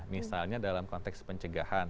misalnya dalam konteks pencegahan